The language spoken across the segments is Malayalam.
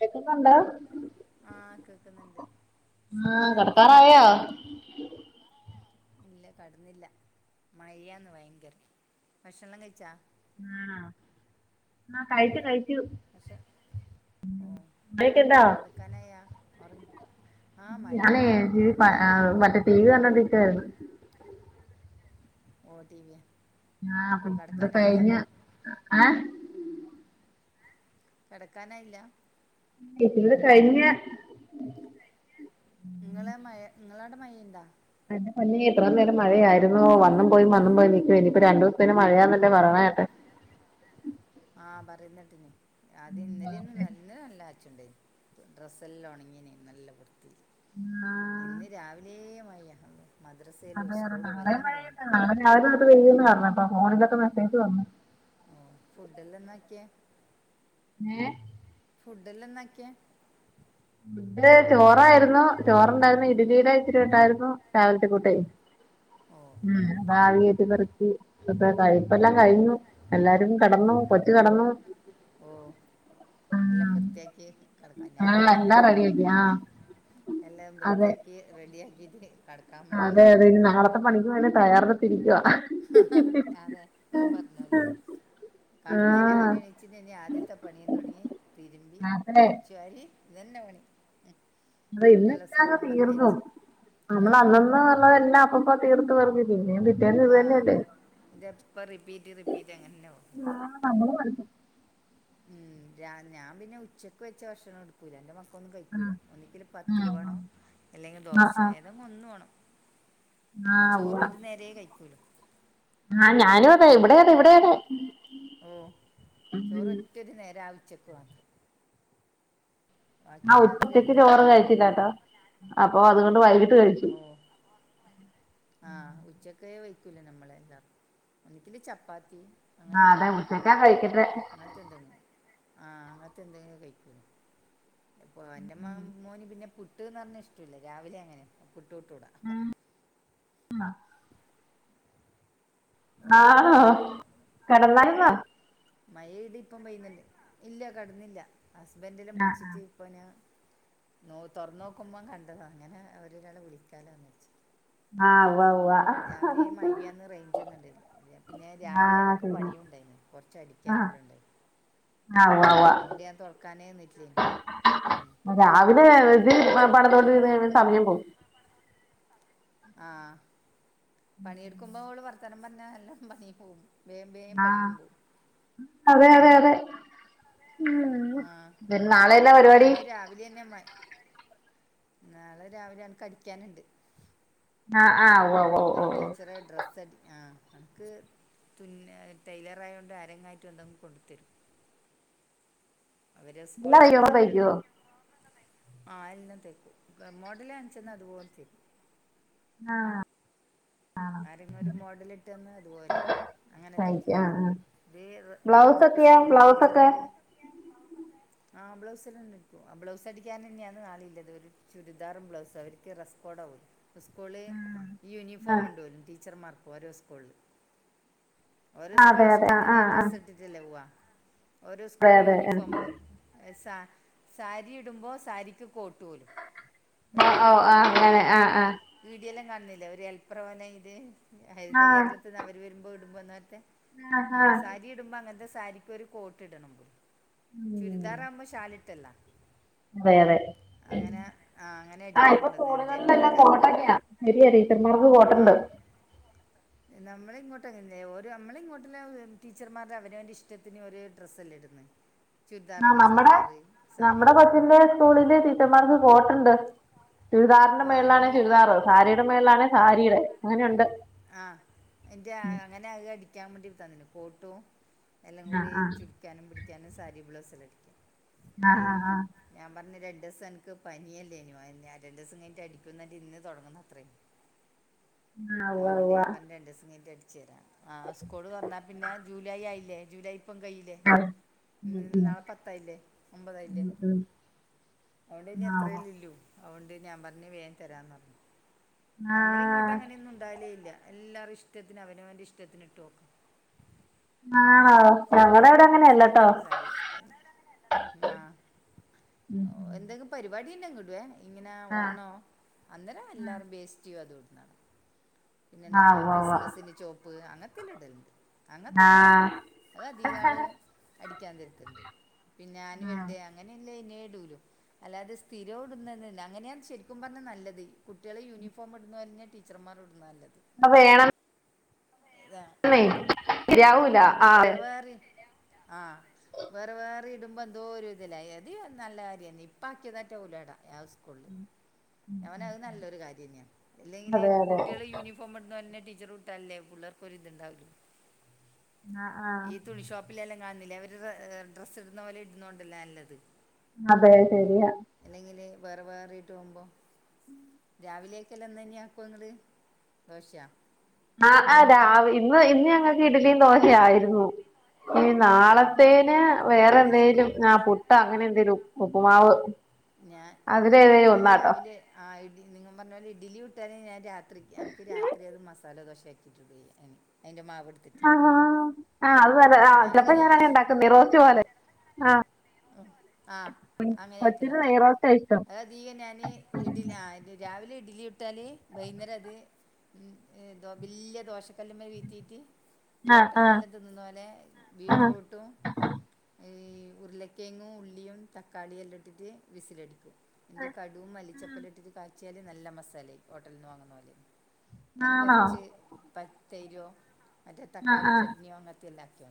ക്കെക്ക് ന്നുണ്ടോ? ആഹ് കേക്ക്ന്ന്ണ്ട് സുഖം ആഹ് തന്നെയാ. കെടക്കാറായോ [inaudible] ഇല്ല കട്ന്നില്ല മഴാന്ന് ഭയങ്കരം. ഭക്ഷണം കയ്ച്ചാ? ആഹ് ആഹ് കയ്ച്ചു കയ്ച്ചു പക്ഷെ ഓഹ് അവിടേക്കെന്താ? കെട്ക്കാനായാ? ഒർ ആഹ് മഴയേ ഞാനേ ഒള്ളൂ രാവിലെ മഴ [unintelligible] ഓട്ടിവ്യാ ആഹ് ഫുഡ്ഡ് കയ്ഞ്ഞ ഏഹ് കെടക്കാനായില്ല? കിട്ട്ന്ന് കയ്ഞ്ഞെ ഇങ്ങളെ മഴ ഇങ്ങളവ്ടെ മഴണ്ടോ? എന്റെ പൊന്നേ ഇത്ര നേരം മഴയായിരുന്നു വന്നും പോയി വന്നും പോയി നിക്കുവാ ഇനിയിപ്പ രണ്ട് ദിവസേത്തിന് മഴയാന്നല്ലേ പറയ്ണേകേട്ടെ. ആഹ് പറിന്നേട്ടിനി അത് ഇന്നലെയൊന്നും ഇന്ന് നല്ലാ റ്റ്ണ്ടായിനി ഡ്രസ്സല്ലാം ഒൺങ്ങിനി നല്ല വൃത്തി ആഹ് ഇന്ന് രാവിലേ മഴയ അവ്ടെ മദ്രസയിലും സ്കൂളും എല്ലാം പോന്നു. [unintelligible] അപ്പ ഫോണിലൊക്കെ മേസ്സേജ് വന്ന് ഫുഡ്ഡല്ലാം ന്നാക്കിയെ? ഏഹ് ഫുഡ്ഡല്ലാം ന്നാക്കിയെ? ഫുഡ്ഡ് ചോറായിരുന്നു ചോറ്ണ്ടായിരുന്നു ഇട്ലിയുടെ ഇച്ചിരി ഉണ്ടായിരുന്നു രാവിലത്തെ കൂട്ടെ ഓ ഉം പാവിയേറ്റ് പെറുക്കി [unintelligible] ഇപ്പ ല്ലാം കഴിഞ്ഞു എല്ലാരും കടന്നു കൊച്ച് കടന്നു ഓഹ് എല്ലം വൃത്തിയാക്കി കട്ക്കാം ആഹ് ഞാനും അങ്ങനെ ന്നെ എല്ലാം റെഡിയാക്കി എല്ല ആഹ് എല്ലാം അതെ വൃത്തിയാക്കി റെഡി ആക്കിട്ട് കടക്കാൻ വേണ്ടി വന്നതാ. പണിക് വെണ്ടി തയ്യാറെടുത്തിരിക്കുവാ അതെ ഇഞവും പറഞ്ഞോലെ കട്ന്ന് ആഹ് രാവിലെ എണീച്ചിനേനി ആദ്യത്തെ പണിയും തൊട്ങ്ങി. തിര്മ്പി, അതെ അടിച്ചുവാരി ഇതന്നെ പണി ഉം കുട്ടികളെ ഇന്ന്ട്ടാ സ്കൂളും തീർന്നു. പറഞ്ഞേച്ച് ആ നമ്മള അന്നന്ന് ഉള്ളതെല്ലാം അപ്പ തീർത്ത് പർഞ്ഞു പിന്നേം പിറ്റേന്ന് ഇത് ആഹ് തന്നെയല്ലേ ഇതെപ്പ റിപ്പീറ്റ് റിപ്പീറ്റ് അങ്ങനന്നെയാവും നമ്മളു അറിഞ്ഞു ഉം രാ ഞാൻ പിന്നെ ഉച്ചക്ക് വെച്ച ഭക്ഷണ ക്കൂല്ല ഇൻ്റെ മക്കളൊന്നും കഴ്കുല. ആഹ് ഒന്ന്ങ്കില് പത്തില് ആഹ് വേണം അല്ലെങ്കി ആഹ് ദോശ ആഹ് ഏതാ ഒന്ന് വാണം. ആഹ് ചോറ് ഉവ്വ ഒരു നേരേ കഴിക്കൂലോ ആഹ് ഞാനും അതെ ഇവിടെയതെ ഇവിടെയതെ ഓഹ് ചോറ് ഒറ്റൊരു നേര ആഉച്ചക് ബാക്കി ആഹ് ഉച്ചക്ക് രാത്രിയെല്ലാം നമ്മ ചോറ് കഴ്ച്ചില്ലട്ടോ അപ്പൊ അത്കൊണ്ട് വൈകിട്ട് കഴ്ച്ചു ഓ ആഹ് ഉച്ചയ്ക്കെ വയ്ക്കൂല നമ്മളല്ലാം ഒന്നങ്കില് ചപ്പാത്തി അങ്ങനെ ആഹ് അതെ എന്തെങ്കിലും ഉച്ചക്കാ കഴിക്കട്ടെ [unintelligible] ആഹ് അങ്ങൻത്തെന്തെ കഴിക്കും പ്പൊ എന്റെ മോൻ മോന് പിന്നെ പുട്ട്ന്ന് പറഞാ ഇഷ്ടല്ല രാവിലെ അങ്ങനെ പുട്ട് വിട്ടൂടാ വേറെന്ത് ആണോ കെടന്നാര്ന്നോ? മഴയിടീം ഇപ്പം പെയ്യുന്നുണ്ട്. ഇല്ല കെട്ന്നില്ല ഹസ്ബന്റല്ല വിളിച്ചിട്ട് അപ്പോ ഞാൻ തുറന്നോക്കുമ്പം കണ്ടതാണ് അങ്ങനെ അവരൊരാളെ വിളിക്കാലോന്ന് വച് ആഹ് ഉവ്വ് ഉവ്വ് രാവിലെ മഴയ്യന്ന് റേഞ്ചന്നും ഇല്ലയ്നി പിന്നെ രാവിലെ ആഹ് എനക്ക് ശരി പണിയുണ്ടായിന്നു. ആഹ് കൊർച്ചടിക്കാനെല്ലാം ഉണ്ടായി ആഹ് ഉവ്വ ഉവ്വ അതോണ്ട് ഞാൻ തൊറക്കാനേ നിന്നിട്ടില്ലേ ഉം രാവിലെ ത് കുറച്ച് അടിക്കാനും പണിതോണ്ട്രിന്ന് സമയം പോകും ആഹ് പണിയെടുക്കുമ്പോ ഓള് വർത്താനം പറഞ്ഞ എല്ലാം പണി പോകും വേം വേം ആഹ് പണിയും പോവും അതെ അതെ അതെ ആ പിന്നെ ഇത് നാളെയെന്ന പരിപാടി? [unintelligible] നാളെ രാവിലെ എക്ക് അടിക്കാനുണ്ട് ആഹ് ആഹ് ഉവ്വ ഉവ്വ ഉവ്വ ഒരു ഉവ്വ ടീച്ചറെ ഡ്രസ്സ് അടി ആഹ് അൻക്ക് തുന്ന ടൈലറായോണ്ട് ആരെങ്ങായിട്ടും എന്തെങ്കും കൊണ്ടു തരും അവര് സ്കൂള എല്ലാം തയ്യോ ടീച്ചറാണ് തയ്ക്കോ ആഹ് എല്ലം തയ്ക്കും മോടലാണിച്ചന്ന അത്പോൽ തയ്ക്കും ആഹ് ആരെങ്ങും ഒരു മോഡലിട്ട്ന്ന് അതുപോലെ അങ്ങനെ തയ്ക്കും തൈച്ചുടുക്കും ആഹ് ആഹ് ത് ബ്ലൗസൊക്കെയോ സ്കൂള ബ്ലൗസൊക്കെ ടീച്ചർക്ക് ആഹ് ബ്ലൗസ്ലല്ലാണ്ട് പ്പം ആഹ് ബ്ലൗസ് അടിക്കാനെന്നെയാണ് നാളീം ല്ലത് ഒരു ചുരിദാറും ബ്ലൗസും അവർക്ക് റെസ്കോഡവും സ്കൂള് ഈ ആഹ് യൂണിഫോംണ്ട് ഓൽക്ക് ടീച്ചർമാർക് ഓരോ സ്കൂൾല് ഓരോ അതെ സ്കൂൾ അതെ ആഹ് ഇഷ്ടത്തിന് ആഹ് ആഹ് ഡ്രസ്സ് ഇട്ടിട്ടല്ലേ പോവാ. ഓരോ അതെ സ്കൂൾ അതെ ആഹ് യൂണിഫോം മോലും സാ സാരി ഇടുമ്പോൾ സാരിക്ക് കോട്ട് പോലും ഒരു ഓഹ് ഓഹ് ആഹ് ഇങ്ങനെ അങ്ങനെ ആഹ് ആഹ് വീഡിയോ ല്ലാം കാണുന്നില്ലേ ഒരു ഹെൽപ്ര പോലേയിട്ട് ഹരിത ആഹ് കേരളത്തിൽ നിന്ന് അവര് വരുമ്പോ ഇടുമ്പോലേത്തെ ആഹ് സാരിടുമ്പോ അങ്ങനത്തെ സാരിക്ക് ഒരു കോട്ട് ഇടണം ഉം ചുരിദാറാകുമ്പോ ശാലിട്ടല്ല അതെ അതെ അങ്ങനെ ആഹ് അടിക്കാൻ ഇപ്പൊ കൊണ്ടത് രണ്ട് സ്കൂൾകളിലെല്ലാം തരാന്ന് കോട്ടൊക്കെയാ ശെരിയാ ടീച്ചർമാർക്ക് കോട്ടുണ്ട് നമ്മളെ ഇങ്ങോട്ട്ങ്ങന്നെ ഒരു നമ്മളെ ഇങ്ങോട്ടുള്ള ടീച്ചർമാരുടെ അവരവൻ്റെ ഇഷ്ടത്തിന് ഒരു ഡ്രസ്സ അല്ലേ ഇടണ് ! ! ! ! ! ! ! ! ! ആഹ് നമ്മടെ നമ്മുടെ കൊച്ചിന്ന് സ്കൂൾലെ ടീചർമാർക്ക് കോട്ടുണ്ട് ചുരിദാറിന്റെ ആ ഈ മേൾലാണങ്കിൽ ചുരിദാറ് സാരിയുടെ മേൾലാണങ്കി സാരിയുടെ അങ്ങനെയുണ്ട് ആഹ് എന്റെ ആ അങ്ങനെ അത്‌ അടിക്കാൻ വേണ്ടി തന്നീനു കോട്ടും എല്ലാം ആഹ് കൂടി ആഹ് ചുരുക്കാനും പിടിക്കാനും സാരി ബ്ലൗസെല്ലാം ടിക്കും ആഹ് ആഹ് ആഹ് ഞാൻ പറഞ്ഞു രണ്ടീസം എനിക്ക് പനിയല്ലേനിയോ രണ്ട് ദിവസം കഴിഞ്ഞട്ട് അടിക്കും ന്നറിഞ്ഞ്ട്ട് ഇന്ന് തുടങ്ങണത്ര ആഹ് ഉവ്വ അതുകൊണ്ട് ഉവ്വ ഞാൻ പറഞ്ഞ് രണ്ടൂസം കഴിഞ്ഞിട്ട് അടച്ചരാ ആഹ് സ്കൂള് തുറന്നാ പിന്നെ ജൂലൈ ആയില്ലേ ജൂലൈ ഇപ്പം കയ്യൂല ആഹ് ഉം നാളെ പത്തായില്ലേ ഒമ്പതായില്ലേ ഉം ഉം അവള്നി ഉം ആഹ് ഉവ്വ അത്രല്ലള്ളു അതോണ്ട് ഞാൻ പറഞ്ഞഞ് വേൻ തരാന്ന് പറഞ്ഞു നമ്മളിങ്ങോട്ട ആഹ് അങ്ങനെയൊന്നും ഉണ്ടാലേല്ല എല്ലാരും ഇഷ്ടത്തിന് അവനവന്റെ ഇഷ്ടത്തിന് ഇട്ട് പോകും ആണോ ഞങ്ങളവിടെ സാരിയങ്കി സാരി ആഹ് ഉം ഉം എന്തെങ്കിലും പരിപാടി ഉണ്ടെങ്കിൽ ഇടുവേ ഇങ്ങനെ ആഹ് ഓണോ അന്നേരം എല്ലാവരും വേസ്റ്റ് അതോവിടുന്നതാണ് പിന്നെ ആഹ് എന്തെങ്കിലും ഉവ്വ ഉവ്വ ക്രിസ്മസിന് ചോപ്പ് അങ്ങനത്തെ എല്ലാം ഇടലുണ്ട് അങ്ങനത്തെണല്ണ്ട് ആഹ് അത് അധികികാളും അടിക്കാൻ തരത്തണ്ട് പിന്നെ ഞാൻവെൽഡ അങ്ങനെല്ല ഇടുലും അല്ലാതെ സ്ഥിരടുന്ന അങ്ങനെയാണ് ശരിക്കും പറഞ്ഞാൽ നല്ലത്. കുട്ടികളെ യൂണിഫോം ഇടന്നഞ്ഞാൽ ടീച്ചർമാർ ഇടുന്നത് നല്ലത്. അത് വേണം അതാ ആഹ് ശരിയാവൂല ആഹ് വേറെ വേറെ ആഹ് വേറെ വേറെ ഇടുമ്പോ എന്തോ ഒരു ഇതില്ലയാ അതി നല്ല കാര്യ ഇപ്പ ആക്കിയതാറ്റലടാ സ്കൂളില് [unintelligible] നല്ലൊരു കാര്യം തന്നെയാ, അല്ലെങ്കില് അതെ അതെ കുട്ടികളെ യൂണഫോ പോവുമ്പോ ഇടണന്നെ ടീച്ചർ ഇട്ടാല്ലേ പിള്ളേർക്കൊരി ത്ണ്ടാവുള്ളു. ആഹ് ആഹ് ഈ തുണിഷോപ്പ്. പിള്ളെല്ലാം കാണുന്നില്ല അവര് ഡ്രസ്സ് ഇടുന്ന പോലെ ഇടുന്നൊണ്ടല്ലേ നല്ലത്. അതെ ശരിയാ അല്ലെങ്കില് വേറെ വേറിട്ട് പോകുമ്പോ [unintelligible] രാവിലെയക്കെല്ലാം ഇന്ന് തന്നെയാക്കും ങ്ങള് ദോശയാ ആഹ് ആ രാവ ഇന്ന് ഇന്ന് ഞങ്ങൾക്ക് ഇഡലിയു, ദോശയു ആയിരുന്നു. ഈ ഓ നാളത്തേന് ഞാൻ വേറെ ഇഡ്ഡി എന്തേലും. ആഹ് പുട്ട് അങ്ങനെ എന്തേലും, ഉപ്പുമാവ്. ഞാൻ ആഹ് അതിലേതേലും ഞാൻ ഒന്നാട്ടോ രാവിലെ ആ ഇഡി നിങ്ങൾ പറഞ്ഞ പോലെ ഇഡലി ചുട്ട ഞാൻ രാത്രിക്ക് എനിക്ക് രാത്രി അത് മസാല ദോശ ആക്കി. അതിൻ്റെ മാവ് എടുത്തിട്ട്. ആ ആഹ് അത് നല്ല ആ ഞാൻ ചിലപ്പോ അങ്ങനെ ഞാന ചെയ്യാം ഉണ്ടാക്കുന്നേ, റോസ്‌റ്റ് പോലെ. ആ ആ പത്തിന് നെയ്യ് റോസ്റ്റാ ഇഷ്ട്ടം. അത്തീകം ഞാൻ ഇഡി ആ രാവിലെ ഇഡ്ലി ചുട്ടാല് വൈകുന്നേരം അത് ഉം ഏതോ ബല്യ ദോശ കല്ല വീത്തിയിട്ട് ഈ ആഹ് ആഹ് ഹോട്ടലന്നല്ലാം തിന്നുന്ന പോലെ ബീറ്റ്റൂട്ടും. ഈ ഉരുളക്കേങ്ങും ഉള്ളിയും, തക്കാളിയു എല്ലാം ഇട്ടിട്ട് വിസിലടിക്കും. എന്റെ കടും മല്ലിച്ചെപ്പലു ഇട്ടിട്ട് കാഴ്ച്ചിയാല് നല്ല മസാലാ യായി ഹോട്ടൽ നിന്ന് വാങ്ങുന്ന പോലെ അതിന് ആണോ കൊറച്ച് പ തൈരോ ആഹ് മറ്റെതക്കാളി ആഹ് ചട്നിയൊ അങ്ങനത്തെ എല്ലാക്കിയോ?.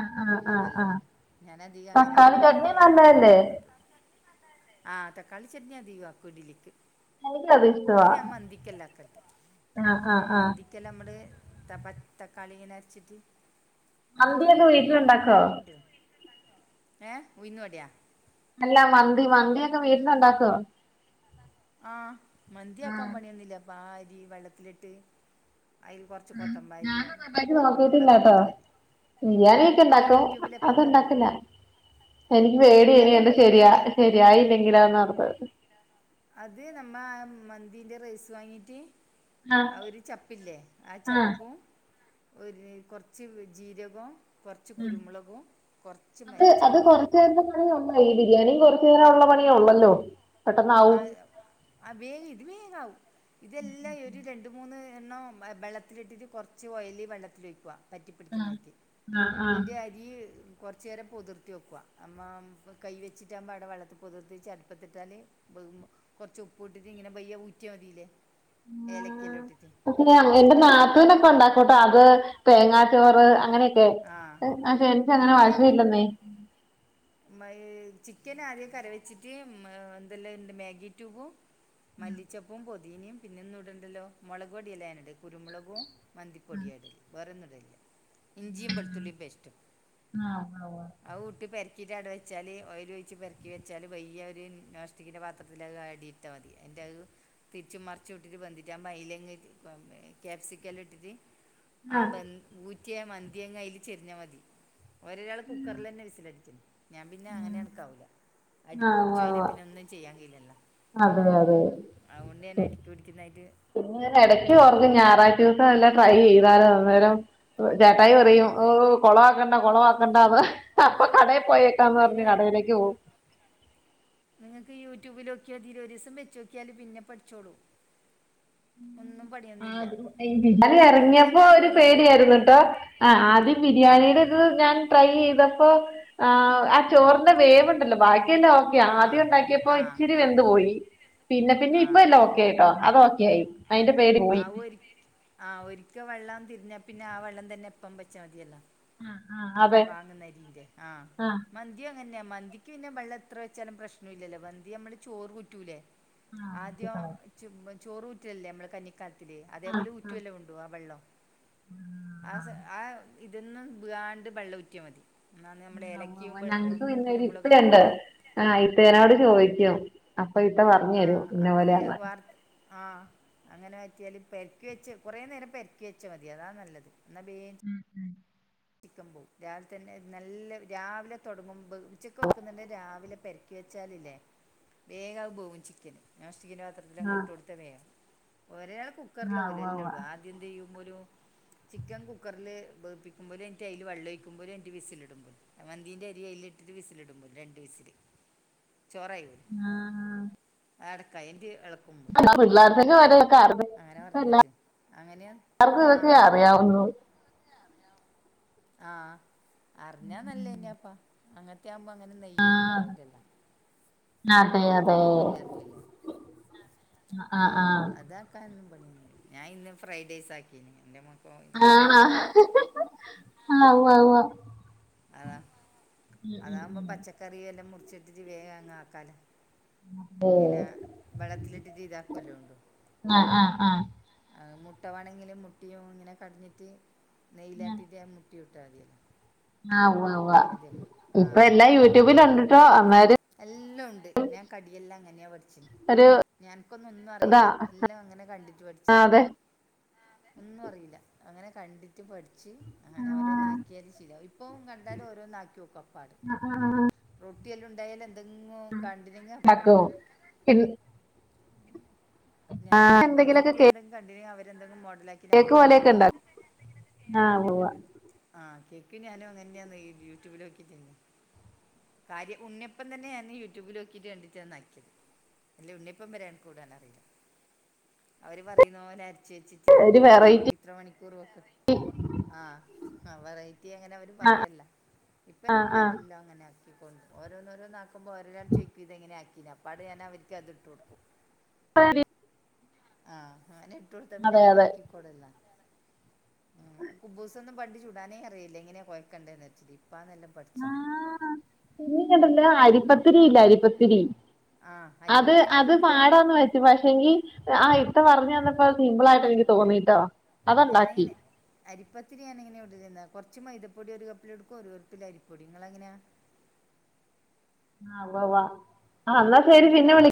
ആഹ് ആഹ് എന്നാ ആഹ് നല്ലതാ. ആഹ് ഞാൻ അധികം അങ്ങനെയ തക്കാളി ആക്കുവാ ചട്നി അങ്ങനെയുമ്പോ നല്ലതല്ലേ മക്കളുണ്ട് ആ തക്കാളി ചട്നിയാ അധികാകുവാ ഇഡലിക്ക്. എനിക്കത് അതി ഇഷ്ടവാ ഞാൻ മന്തിക്കല്ല ക്കെ ആഹ് ആ ആഹ് ആഹ് മന്തി ക്കെ നമ്മള് ത തക്കാളിനെ അരച്ചിട്ട് മന്തിയൊക്കെ അങ്ങനത്തന്നല്ല. അത് വീട്ടിലുണ്ടാക്കോ കുട്ടി ഏ ഉയ്ന്ന് വടയാ അല്ല. മന്തി മന്തി ഒക്കെ വീട്ടിലുണ്ടാക്കുവോ?. ആ മന്തിയാക്കാൻ പണിയൊന്നുമില്ലപ്പാ അരി വെള്ളത്തിലിട്ട് അതിൽ കുറച്ച് കൊത്തമ്പാരിയും, കുരുമുളക് എല്ലാം ഇട്ടാൽ മതി. ബിരിയാണി ഒക്കെ അത് ഇണ്ടാക്കും. യൂട്യൂബിൽ അത് എപ്പം ഉണ്ട് ഇണ്ടാക്കില്ല. എനിക്ക് അത് പേടിയാ ഉണ്ടാക്കാൻ ഇനി ശരിയാ പണിയൊന്നുമില്ല ശരിയായില്ലെങ്കിലോ എന്നോർത്ത്. അത് നമ്മ മന്തിന്റെ റൈസ് വാങ്ങീട്ട്?. ആഹ് ഒരു ചപ്പില്ലേ ആ ആഹ് ചപ്പും. ഒരു കുറച്ച് ജീരകവും, കുറച്ച് ഉം കുരുമുളകു, കുറച്ച് മല്ലിച്ചെപ്പും. കുന്ത പണിയ ഉള്ള ഈ ബിരിയാണിയും കുറച്ചു നേരം ഉള്ള പണിയ ഉള്ളല്ലോ?. ആ പെട്ടെന്നാവും ആ വേഗ ഇത് വേഗാവവും ഇതെല്ലാം ഒരു രണ്ടും. മൂന്ന് എണ്ണം വെള്ളത്തിലിട്ടിട്ട് കുറച്ച് ഓയില് വെള്ളത്തിൽ ഒഴിയ്ക്കുക. പറ്റിപ്പിടിക്കുന്നായിട്ട്, ആഹ് ആഹ് എന്റെ അരി കുറച്ചു നേരം പുതിർത്തി വയ്ക്കുക, നമ്മ കൈ വെച്ചിട്ടാകുമ്പോ അവിടെ വെള്ളത്തി പുതിർത്തി ച പ്പത്തിട്ടാല് കുറച്ച് ഉപ്പ് ഇട്ടിട്ട് ഇങ്ങനെ ബയ്യ ഊറ്റാ മതില്ലേ?. ആ പക്ഷെ എന്റെ എല്ലാം നാത്തുവിനൊക്കെ ഉണ്ടാക്ക ക്കോട്ട അത് തേങ്ങാ ചോറ് അങ്ങനെയൊക്കെ ആ എനിച്ചങ്ങനെ ഇത് വശമില്ലെന്നേ. ചിക്കൻ ആദ്യം കറി വച്ചിട്ട് എന്തല്ല മാഗി ട്യൂബും. മല്ലിച്ചപ്പും. പൊതീനയും, പിന്നെ ഒന്ന ഇടണ്ടല്ലോ. മുളക് പൊടിയല്ലേ കുരുമുളകും, മന്തിപ്പൊടിയ ഇടൽ, വേറൊന്നും ഇടില്ല. ഇഞ്ചിയും വെളുത്തുള്ളിയും പെസ്റ്റും. ആഹ് ആഹ് ഔ കൂട്ടി പെര ക്കീട്ടവടെ വെച്ചാല് ഓയിലൊയ്ച്ച് പെറക്കി വെച്ചാല് പയ്യെവര് ഒ നോസ്ടിക്കിൻ്റെ പാത്രത്തില് അ അടി ത്ത മതി എന്റെ അവ് തിരിച്ചും മറിച്ചും ഇട്ടിട്ട് വെന്തിട്ട് അയ്ലങ്ങ് ക്യാപ്സിക്കല് ഇട്ടിട്ട് ആഹ് ആബെ ഊറ്റിയ മന്തി അങ്ങ് അയ്ല് ചെരിഞ്ഞ മതി ഓരൊരാള് കുക്കറിലന്നെ വിസിലടിച്ചണെ ഞാൻ പിന്നെ അങ്ങനെ ഉം അണക്കാവില്ല അടിപ്പ് ആഹ് ഉവ്വ് പിടിച്ചോയ്ന ഉവ്വ് പിന്നെ ഒന്നും ചെയ്യാ കയ്യില്ലല്ലോ അതെ അതെ അവ്വൊണ്ട് ഞാൻ അടിക്ക് പിടിക്കുന്നായിട്ട് പിന്നെഞാ എടക്ക് ഓർക്കും ഞായറാഴ്ചൂസം എല്ലാം ട്രൈ ചെയ്താലൊ അന്നേരം ചേട്ടായി ഓ പറയും ഓഹ് കൊളവാക്കണ്ട കൊളവാക്കണ്ടന്ന് അപ്പൊ കടേ പോയേക്കാന്നറഞ്ഞ അതിന് കടയിലേക്ക് പോം നിങ്ങക്ക് യൂട്യൂബിലോക്ക്യാതില്ലൊ ഒരീസം വെച്ചോക്കിയാല് പിന്നെ പഠിച്ചോളു ആഹ് ബിരിയാണി എറങ്ങീപ്പൊ മന്തിയാക്കാൻ ഒരു പണിയേ ഇല്ല പേടിയാരുന്നുട്ടോ ആഹ് ആദ്യം ആഹ് ബിരിയാണീടെ ഇത് ഞാൻ ട്രൈ ചെയ്തപ്പോ ആഹ് ആ ചോറി വേവ്ണ്ടല്ലോ ബാക്കിയല്ല ഓക്കെ ആദ്യം ആഹ് ഒണ്ടാക്കിയപ്പൊ ആഹ് ഇച്ചിരി വെന്ത് പോയി പിന്നെ പിന്നെ ഇപ്പെല്ല ഓക്കെയായിട്ടോ അത് ഓക്കെ ആയി ഒ അതിന്റെ പേടി പോയി ആഹ് ഒ ഒരിക്ക് ആഹ് ഒരിക്ക വെള്ളം തിരിഞ്ഞാ പിന്നെ ആ വെള്ളം തന്നെ എപ്പംവെച്ചാ മതിയല്ല ആഹ് ആഹ് ആഹ് വാങ്ങുന്നരീന്റെ ആഹ് മന്തി അങ്ങെന്ന മന്തിക്ക് പിന്നെ വെള്ളം എത്ര വെച്ചാലും പ്രശ്നില്ലല്ലോ മന്തി നമ്മള് ചോറൂറ്റൂലേ ആ, ഇത് ആദ്യം കളയാം. ചോറു ചോറൂറ്റിലല്ലേ മ്മള് കഞ്ഞിക കലത്തില് ആ, അതേപോലെ ഊറ്റവേല്ലോ ഉണ്ടു അ വെള്ളം ആഹ് ആ ഇതൊന്നും വീയാണ്ട് വെള്ളം ഊറ്റിയ മതി എന്നാന്ന് നമ്മടെ ആ ഉവ്വ് ഏലക്കെം കുരുമുളകെല്ലാം ഇടൂലേ ആഹ് ഇത്തേനോട് ചോയ്ക്കും അപ്പൊ ഇത്ത പറഞ്ഞരും ആഹ് ഇന്ന അങ്ങനെ പോലെയാന്ന്. വാർത്ത് ആഹ് അങ്ങനെ പറ്റിയാല് പെരക്കിവെച്ച് കൊറേ നേരം പെരക്കിവെച്ച മതി അതാ നല്ലത് എന്നാ ബേം ഉം ഉം ചിക്കൻ പോം രാവില്തന്നെ നല്ല രാവിലെ തൊടങ്ങുമ്പൊ ഉച്ചക്ക് വെക്കുന്നുണ്ടെ രാവിലെ പെര ക്കിവെച്ചാലില്ലേ വേഗാക് ബേവു ചിക്കന് നോണ്സ്റ്റിക്കിന്റെ പാത്ര ആ ത്തിലങ്ങിട്ടോടുത്ത വേം ഒരാൾ കുക്കറില ആ പോലു ഉവ്വ് ഉവ്വ് എല്ലാട്വോ- എന്തെയുരു ചിക്കൻ കുക്കറില് ബേപ്പിക്കു ഒമ്പത് മിനിറ്റ് അതില് വള്ളൊഴിക്കുമോ ഒരു മിനിറ്റ് വിസിലിടുമ്പോ. മന്തീന്റെ അരി അയിലിട്ടിട്ട് വിസിലിടുമ്പൊ രണ്ട് വിസിൽ ചോറായിവരു. ആഹ് എടക്ക് ഐന്റി എളക്കുമ്പം പിള്ളേർക്ക് [inaudible] അങ്ങനെയാ എല്ലാർക്കു ആ ഇതൊക്കെ ഒരു അറിയാവുന്നു ആഹ് അറിഞ്ഞാ നല്ലേയ്ന്നാപ്പാ അങ്ങനത്തെ ആവമ്പ അങ്ങനെ നെയ്യൊന്നും ഇണ്ടാവില്ലല്ലാ? അതെ അതെ ഒന്നും ഇല്ലാത്തയല്ലേ ആ ആ ആ ആഹ് അതാ ഞാൻ ഇന്ന് ഫ്രൈഡ്ഐസ് ആക്കിന് എന്റെ മൊ ആണ ആഹ് ഊവ്വ ഊവ. അതാ അതാമ്പം ഉം പച്ചക്കറിയെല്ലാം മുറിച്ചിട്ടിട്ട് വേഗം അങ്ങ് ആക്കാല്ല ഏ ഇങ്ങന വെള്ളത്തിലിട്ടിട്ട് ഇതാക്ക് വല്ലൊ ഒണ്ടോ? ആഹ് ആഹ് ആഹ് മുട്ട വേണങ്കില് മുട്ടിയും ഇങ്ങനെ കടഞ്ഞിട്ട് നെയ്യിലാട്ടിട്ട് [unintelligible] മതിയല്ലൊ ആഹ് ഉവ്വ ഉവ്വ ആ ഇപ്പൊ എല്ലാം അങ്ങനത്തെ നല്ല യൂട്യൂബിൽ ഒണ്ടിട്ടോ അന്നേര് എല്ലാം ഉണ്ട് ഞാൻ കടിയെല്ലാം അങ്ങനാ പഠി ച്ചിനി ഒരു ഞാന്കൊന്നും ഒന്നും ഇതാ അറിയില്ല എല്ലാം അങ്ങനെ കണ്ടിട്ട് പഠിച്ചത്. ആ അതെ ഒന്നും അറിയില്ല അങ്ങനെ കണ്ടിട്ട് പഠിച്ച് അങ്ങനെ ആ ഓരോന്നാക്കിയാല് ചെയ ഇപ്പൊ കണ്ട് ന്നാല് ഓരോന്ന് ആക്കിനോക്കു അപ്പാട് റൊട്ടിയെല്ലാ ഉണ്ടായാല് എതെങ്ങോ കണ്ടങ്ങിനോ അപ്പാടേ ണ്ടാക്കും പിൻ ആ ഞാനും അങ്ങനെ എന്തെങ്കിലൊക്കെ റൊട്ടി കേ എന്തെങ്കി കണ്ടിന അവരെ എന്തെങ്കിലും മോഡലാക്കി കേക്ക് അപ്പാടാക പോലെയൊക്കെ നോ ഉണ്ടാക്കും ആഹ് ഉവ്വ ആ കേക്ക് ഞാനും അങ്ങനെയാന്ന് യൂട്യൂബിൽ നോക്കിട്ടന്നെ കാര്യ ഉണ്ണിപ്പം തന്നെയ ഞാന് യൂട്യൂബിലോക്കിയിട്ട് കണ്ടിട്ടാണ് നാക്കിയത് അല്ല ഉണ്ണപ്പം വരാണ് കൂടൻറിയില്ല അവര് പറയുന്നോലെ അരിച്ച വെച്ചി ഒരു വെറൈറ്റി ഇത്ര മണിക്കൂർ വെക്കും ഹാ വെറൈറ്റി അങ്ങനവര് പറല്ല്യാ ഇപ്പല്ല ആഹ് ഞാന ആഹ് എല്ലാം അങ്ങനെ ആകിക്കൊണ്ട് ഓരോന്നോന്ന ഇപ്പം ഒരരാ ചൊക്കും ചെയ്ത് എങ്ങനെ ആക്കി അപ്പാട് ഞാൻ അവർക്ക് അത് ഇട്ട് കൊടുക്കും. അ [unintelligible] ആഹ് അനെ ഇട്ട് കൊടുത്ത പിന്നെ അതെ അതെ അവര്ബാക്കി തോടല്ല ഉം കുബൂസൊന്നും പണ്ടി ചുടാനേ അറിയില്ലേ എങ്ങനെയാ കോയ കണ്ടച്ചത് ഇപ്പാന്നെല്ലാം പഠിച്ചത്. പിന്നെങ്ങട്ടല്ല അരിപ്പത്തിരി ഇല്ലേ അരിപ്പത്തിരി ആഹ് അത് അരിപ്പത്തിരി അത് നമ്മള് പാടാന്ന് വെ പക്ഷെങ്കി ആ ഇത്ത പറഞ്ഞഞ് തന്നപ്പോ സിമ്പിൾ ആയിട്ട് എനിക്ക് തോന്നിട്ടോ. അതുണ്ടാക്കി ഞാനങ്ങനെ അരിപ്പത്തിരി ഞാനെങ്ങനെ ചുടലിനു കുറച്ചു മൈദപ്പൊടി ഒരു കപ്പൽ എടുക്കും ഒരു കപ്പിൽ അരിപ്പൊടി നിങ്ങളേങ്ങിന? ആവ്വാവ എന്ന ശരി പിന്നെ അവർ വിളി